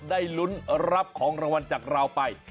ได้ลุ้นรับของรางวัลจากเราไป